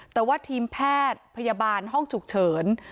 แต่ว่าทีมแพทย์พยาบาลห้องฉุกเฉิน